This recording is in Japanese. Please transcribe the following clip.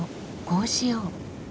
こうしよう。